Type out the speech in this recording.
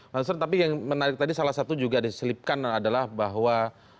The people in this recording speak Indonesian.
mas nur tapi yang menarik tadi salah satu juga diselipkan adalah bahwa